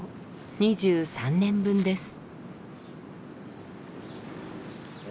２３年分です。